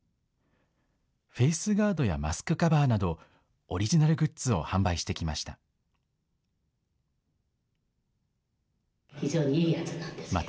フェイスガードやマスクカバーなど、オリジナルグッズを販売してきました。